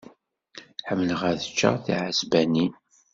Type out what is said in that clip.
Ḥemmleɣ ad ččeɣ tiɛesbanin.